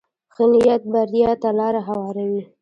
ښه نیت بریا ته لاره هواروي.